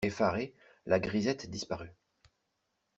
Effarée, la grisette disparut.